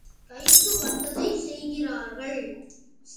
கைக்கு வந்ததைச் செய்கிறார்கள்.